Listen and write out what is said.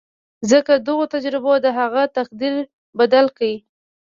ځکه دغو تجربو د هغه تقدير بدل کړ.